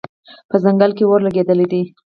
په ځنګل کې اور لګېدلی دی